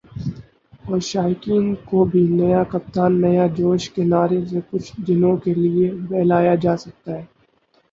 اور شائقین کو بھی "نیا کپتان ، نیا جوش" کے نعرے سے کچھ دنوں کے لیے بہلایا جاسکتا ہے ۔